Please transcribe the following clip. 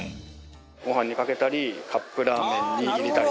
ご飯にかけたりカップラーメンに入れたりしてます。